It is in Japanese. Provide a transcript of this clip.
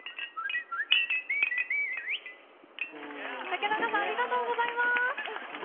竹中さんありがとうございます！